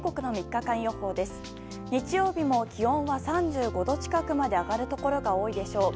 日曜日も気温は３５度近くまで上がるところが多いでしょう。